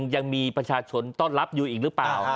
ยังมีประชาชนต้อนรับอยู่อีกหรือเปล่า